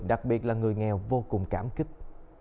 đặc biệt là người nghèo vô cùng cảm kích